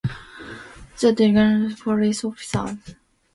The designated police officers are Giacomo and his colleague Antonio.